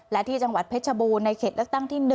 และที่จังหวัดเพชรบูรณ์ในเขตเลือกตั้งที่๑